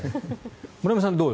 森山さん、どう？